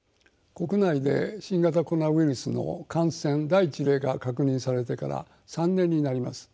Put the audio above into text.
国内で新型コロナウイルスの感染第一例が確認されてから３年になります。